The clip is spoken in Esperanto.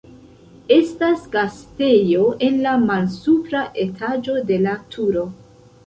Estas gastejo en la malsupra etaĝo de la turo.